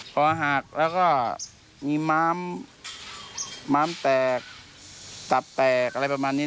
พอหักแล้วก็มีม้าม้ามแตกตับแตกอะไรประมาณนี้